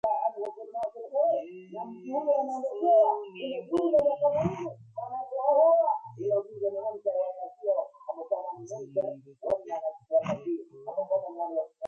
No public funds flow for this.